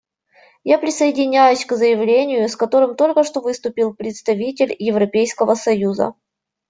Я присоединяюсь к заявлению, с которым только что выступил представитель Европейского союза.